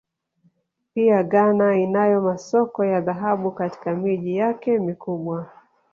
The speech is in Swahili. Pia Ghana inayo masoko ya dhahabu katika miji yake mikubwa